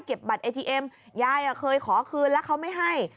บัตรเอทีเอ็มยายเคยขอคืนแล้วเขาไม่ให้